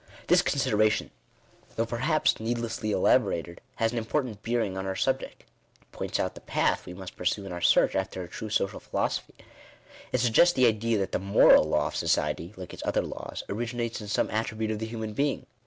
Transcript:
This consideration, though perhaps needlessly elaborated, has an important bearing on our subject. It points out the path we must pursue in our search after a true social philo c Digitized by VjOOQIC 18 INTRODUCTION. sophy. It suggests the idea that the moral law of society, like its other laws, originates in some attribute of the human being